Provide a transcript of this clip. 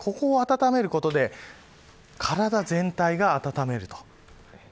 ここを温めることで体全体が暖まります。